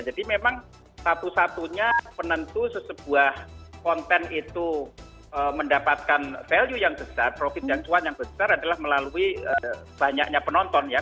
jadi memang satu satunya penentu sesebuah konten itu mendapatkan value yang besar profit dan cuan yang besar adalah melalui banyaknya penonton ya